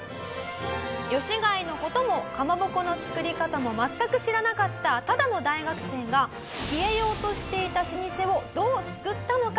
吉開の事もかまぼこの作り方も全く知らなかったただの大学生が消えようとしていた老舗をどう救ったのか？